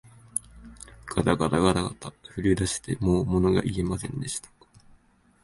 がたがたがたがた、震えだしてもうものが言えませんでした